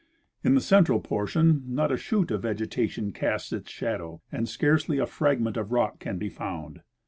In the central portion not a shoot of vegetation casts its shadow, and scarcely a fragment of rock can be found.